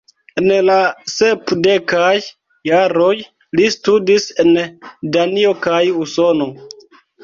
En la sepdekaj jaroj, li studis en Danio kaj Usono.